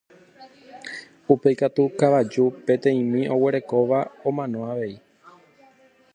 Upéi katu kavaju peteĩmi oguerekóva omano avei